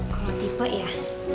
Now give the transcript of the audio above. kalau tipe ya